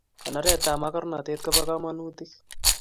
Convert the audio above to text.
Konoret tab makarnatet koba kamanutik